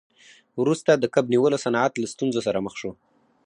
وروسته د کب نیولو صنعت له ستونزو سره مخ شو.